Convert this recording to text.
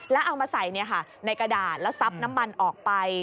แล้วเอามาใส่ในกระดาษแล้วซับน้ำมันออกไป